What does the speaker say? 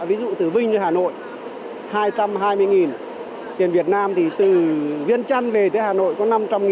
ví dụ từ vinh cho hà nội hai trăm hai mươi tiền việt nam thì từ viên trăn về tới hà nội có năm trăm linh đồng